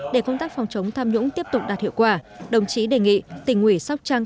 để công tác phòng chống tham nhũng tiếp tục đạt hiệu quả đồng chí đề nghị tỉnh ủy sóc trăng